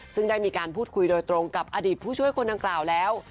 ซึ่งได้มีการพูดคุยโดยตรงกับอดีตผู้ช่วยคนดังกล่าวแล้ว